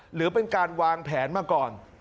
หรือเป็นการวางแผนมาก่อน